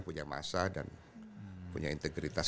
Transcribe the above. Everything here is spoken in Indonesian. punya masa dan punya integritas